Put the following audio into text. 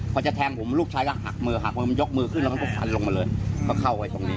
พอจะแทงผมก็ลูกชายหักมือหักมือยกมือขึ้นก็พันไปลงมาเรารึ่งเข้าไว้ตรงนี้